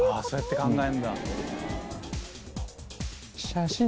そうやって考えるんだ。